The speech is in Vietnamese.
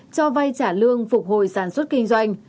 cho vay trả lương phục hồi sản xuất kinh doanh